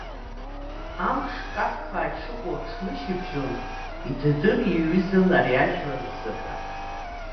Амш каххаа ишыҟоу аҽнышьыбжьон идыдыр иаҩызан ари жәлар рзыҳәа.